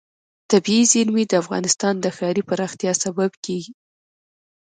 طبیعي زیرمې د افغانستان د ښاري پراختیا سبب کېږي.